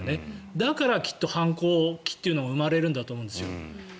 だからきっと、反抗期というのが生まれるんだと思うんですよ。